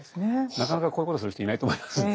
なかなかこういうことをする人いないと思いますんで。